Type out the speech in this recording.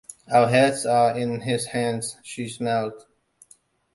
“Our heads are in his hands.” She smiled.